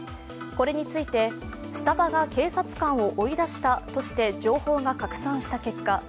これについてスタバが警察官を追い出したとして情報が拡散した結果